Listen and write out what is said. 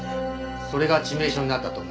それが致命傷になったと思われます。